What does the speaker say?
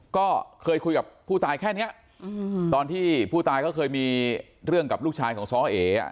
ก็เคยคุยกับผู้ตายแค่เนี้ยตอนที่ผู้ตายเขาเคยมีเรื่องกับลูกชายของซ้อเอ